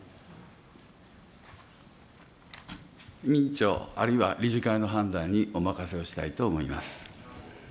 委員長、あるいは理事会の判断にお任せをしたいと思います。